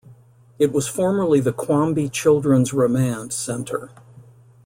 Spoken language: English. It was formerly the Quamby Children's Remand Centre.